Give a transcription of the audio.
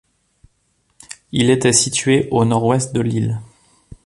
Il était situé au nord-ouest de l'île.